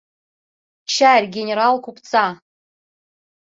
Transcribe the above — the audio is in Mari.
— Чарь... генерал... купца...